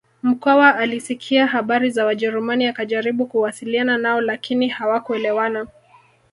Mkwawa alisikia habari za wajerumani akajaribu kuwasiliana nao lakini hawakuelewana